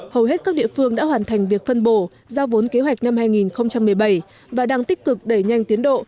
hầu hết các địa phương đã hoàn thành việc phân bổ giao vốn kế hoạch năm hai nghìn một mươi bảy và đang tích cực đẩy nhanh tiến độ